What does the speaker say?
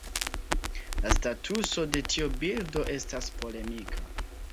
La statuso de tiu birdo estas polemika.